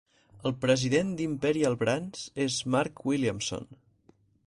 El president d'Imperial Brands és Mark Williamson.